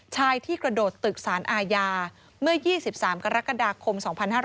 ชายที่กระโดดตึกสารอาญาเมื่อ๒๓กรกฎาคม๒๕๕๙